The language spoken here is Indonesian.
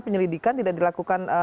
penyelidikan tidak dilakukan